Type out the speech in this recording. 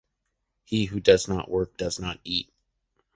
He who does not work, does not eat.